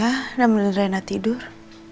ada mana reina tidur